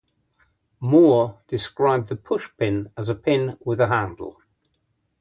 Moore described the push-pin as a pin with a handle.